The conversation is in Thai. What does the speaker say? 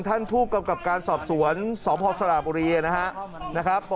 ท่านผู้กำกับการสอบสวนสพสระบุรีนะครับ